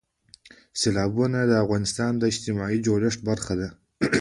سیلابونه د افغانستان د اجتماعي جوړښت برخه ده.